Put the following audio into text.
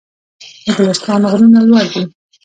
د ګلستان غرونه لوړ دي